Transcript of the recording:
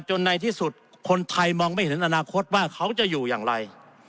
ในที่สุดคนไทยมองไม่เห็นอนาคตว่าเขาจะอยู่อย่างไร